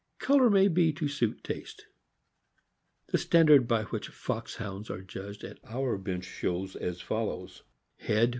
Color may be to suit taste. The standard by which Foxhounds are judged at our bench shows is as follows: Value.